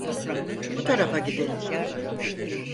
Bu tarafa gidelim.